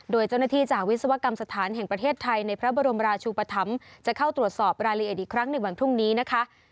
โดยเจ้าหน้าที่จากวิศวกรรมสถานแห่งประเทศไทยในพระบรมราชุปธรรมจะเข้าตรวจสอบรายละเอียดอีกครั้งในวันพรุ่งนี้นะคะ